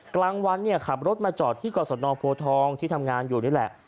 กลางวันเนี่ยขับรถมาจอดที่กรสนโพทองที่ทำงานอยู่นี่แหละ